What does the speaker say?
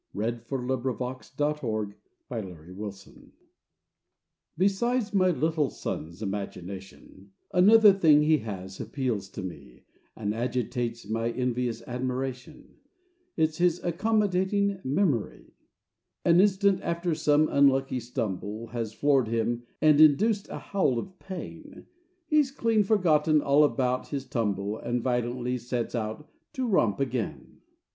HIS MEMORY Besides my little son's imagination, Another thing he has appeals to me And agitates my envious admiration It's his accommodating memory. An instant after some unlucky stumble Has floored him and induced a howl of pain, He's clean forgotten all about his tumble And violently sets out to romp again.